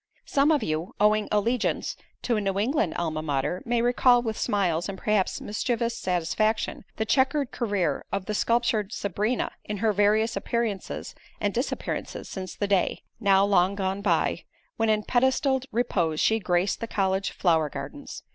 Some of you, owing allegiance to a New England Alma Mater, may recall with smiles and perhaps mischievous satisfaction, the chequered career of the sculptured Sabrina in her various appearances and disappearances since the day, now long gone by, when in pedestaled repose she graced the college flower gardens.